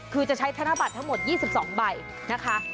คือจะใช้ธนบัตรทั้งหมด๒๒ใบนะคะ